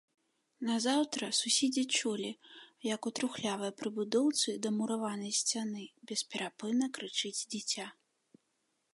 Назаўтра суседзі чулі, як у трухлявай прыбудоўцы да мураванай сцяны бесперапынна крычыць дзіця.